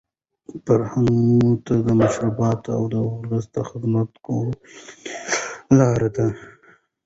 فرهنګ موږ ته د مشرتوب او د ولس د خدمت کولو رښتینې لارې ښيي.